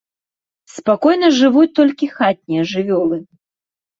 Спакойна жывуць толькі хатнія жывёлы.